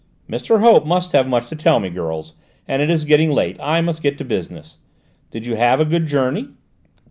"Mr. Hope must have much to tell me, girls, and it is getting late. I must get to business. Did you have a good journey?"